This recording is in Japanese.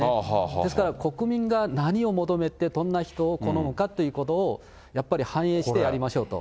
ですから、国民が何を求めて、どんな人を好むかということを、やっぱり反映してやりましょうと。